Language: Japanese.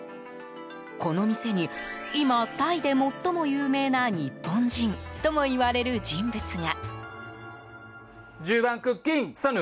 この店に、今タイで最も有名な日本人ともいわれる人物が。